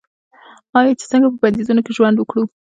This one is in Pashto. آیا چې څنګه په بندیزونو کې ژوند وکړو؟